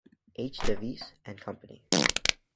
H. Davies and Company.